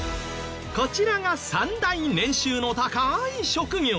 こちらが３大年収の高い職業。